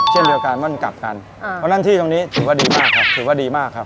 เช่นเดียวกันมันกลับกันเพราะฉะนั้นที่ตรงนี้ถือว่าดีมากครับถือว่าดีมากครับ